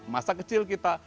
masa kecil kita